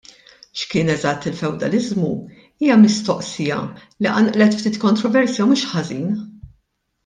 X'kien eżatt il-fewdaliżmu hija mistoqsija li qanqlet ftit kontroversja mhux ħażin.